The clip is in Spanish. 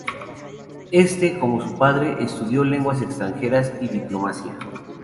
Éste, como su padre, estudió lenguas extranjeras y diplomacia.